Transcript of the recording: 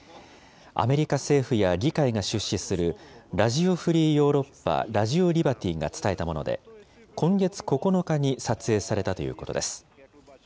アメリカ政府や議会が出資する、ラジオ・フリー・ヨーロッパ／ラジオ・リバティーが伝えたもので、今月９日に撮影されたということです。